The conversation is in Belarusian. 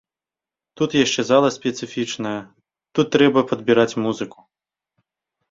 Тут яшчэ зала спецыфічная, тут трэба падбіраць музыку.